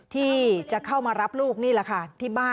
ที่จะเข้ามารับลูกนี่แหละค่ะ